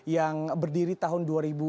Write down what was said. yang berdiri tahun